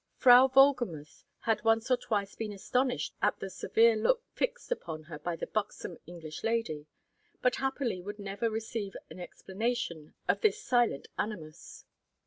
Frau Wohlgemuth had once or twice been astonished at the severe look fixed upon her by the buxom English lady, but happily would never receive an explanation of this silent animus.